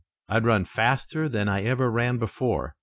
I'd run faster than I ever ran before.